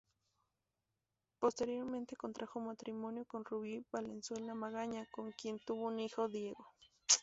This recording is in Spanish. Posteriormente, contrajo matrimonio con Rubi Valenzuela Magaña, con quien tuvo un hijo, Diego.